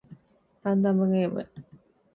ランダムゲーム